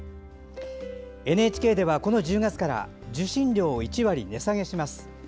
ＮＨＫではこの１０月から受信料を１割値下げします。